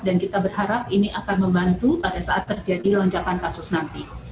dan kita berharap ini akan membantu pada saat terjadi lonjakan kasus nanti